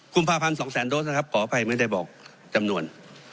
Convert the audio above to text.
กุมภาพันธ์๒แสนโดสนะครับขออภัยไม่ได้บอกจำนวน